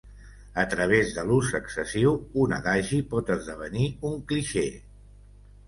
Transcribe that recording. A través de l'ús excessiu, un adagi pot esdevenir un clixé.